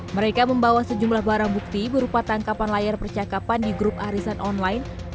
mereka membawa sejumlah barang bukti berupa tangkapan layar percakapan di grup arisan online